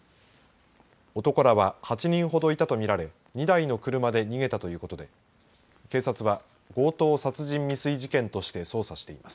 男らは８人ほどいたとみられ２台の車で逃げたということで警察は強盗殺人未遂事件として捜査しています。